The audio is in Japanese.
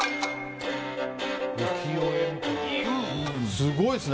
すごいですね。